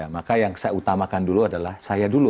maka yang saya utamakan dulu adalah saya dulu